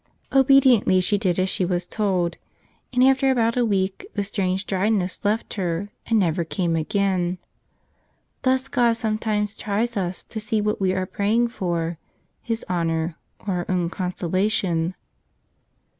Obediently she did as she was told, and after about a week the strange dryness left her and never came again. Thus God sometimes tries us, to see what we are praying for, His honor or our own consolation.